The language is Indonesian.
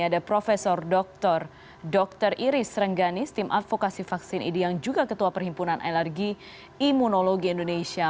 ada prof dr dr iris rengganis tim advokasi vaksin idi yang juga ketua perhimpunan alergi imunologi indonesia